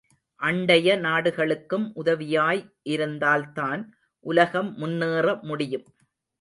அண்டைய நாடுகளுக்கும் உதவியாய் இருந்தால்தான் உலகம் முன்னேற முடியும்.